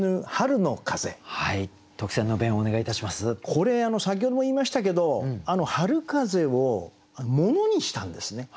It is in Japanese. これ先ほども言いましたけど春風を物にしたんですね。